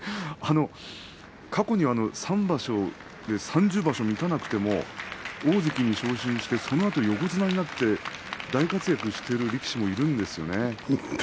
過去に３場所で３０勝に満たなくても大関に昇進してそのあと横綱になって大活躍している力士もいるんですよね。